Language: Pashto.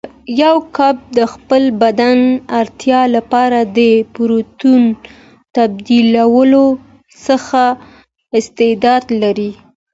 یو کب د خپل بدن اړتیا لپاره د پروتین تبدیلولو ښه استعداد لري.